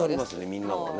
みんなでね。